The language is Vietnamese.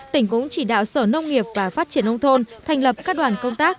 tỉnh cũng chỉ đạo sở nông nghiệp và phát triển nông thôn thành lập các đoàn công tác